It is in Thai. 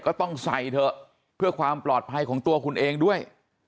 ก็ต้องใส่เถอะเพื่อความปลอดภัยของตัวคุณเองด้วย